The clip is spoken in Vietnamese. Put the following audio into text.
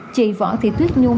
chị võ thị tuyết nhung